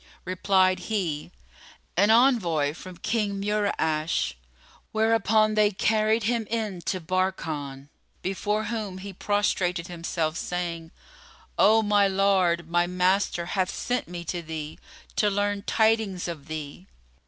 Replied he, "An envoy from King Mura'ash;" whereupon they carried him in to Barkan, before whom he prostrated himself, saying, "O my lord, my master hath sent me to thee, to learn tidings of thee."